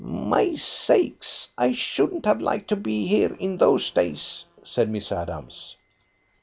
"My sakes, I shouldn't have liked to be here in those days," said Miss Adams.